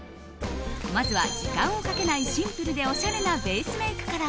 まずは、時間をかけないシンプルでおしゃれなベースメイクから。